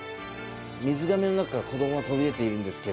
水がめの中から子供が飛び出ているんですが。